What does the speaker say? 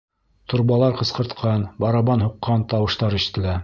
Торбалар ҡысҡыртҡан, барабан һуҡҡан тауыштар ишетелә.